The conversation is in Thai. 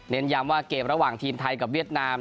ย้ำว่าเกมระหว่างทีมไทยกับเวียดนาม